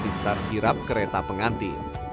si star kirap kereta penganti